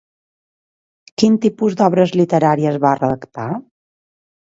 Quin tipus d'obres literàries va redactar?